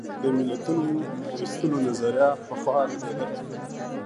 د ملتونو وېستلو نظریه پخوا ردېده.